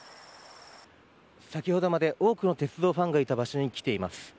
先ほどまで多くの鉄道ファンがいた場所に来ています。